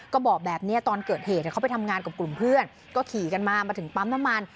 ก็บอกแบบนี้ตอนเกิดเหตุเขาไปทำงานกับกลุ่มเพื่อนก็ขี่กันมามาถึงปั๊มน้ำมัน